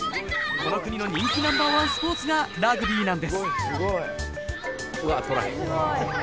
この国の人気ナンバーワンスポーツがラグビーなんです。